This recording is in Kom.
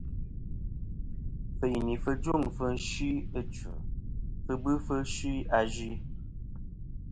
Fɨ̀yìnì fɨ jûŋfɨ̀ fsɨ ɨchfɨ, fɨ bɨfɨ fsɨ azue.